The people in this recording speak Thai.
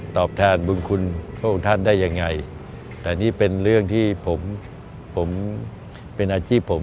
แทนบุญคุณพระองค์ท่านได้ยังไงแต่นี่เป็นเรื่องที่ผมผมเป็นอาชีพผม